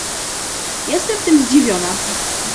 Jestem tym zdziwiona